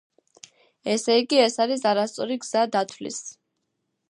ესეიგი ეს არის არასწორი გზა დათვლის.